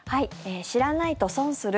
知らないと損する？